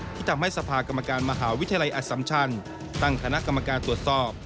ที่ทำให้สภากรรมการมหาวิทยาลัยอสัมชันตั้งคณะกรรมการตรวจสอบ